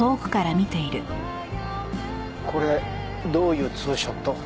これどういうツーショット？